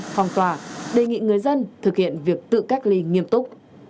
phòng tỏa đề nghị người dân thực hiện việc tự cách ly nghiêm túc